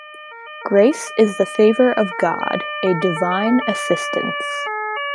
Grace is the favor of God, a divine assistance.